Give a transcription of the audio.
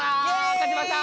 勝ちました！